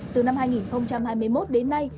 từ năm hai nghìn hai mươi một đến nay